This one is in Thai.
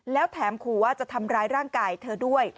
แล้วแถมขู่ว่าจะทำร้ายร่างกายเธอด้วย